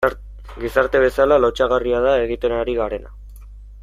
Gizarte bezala lotsagarria da egiten ari garena.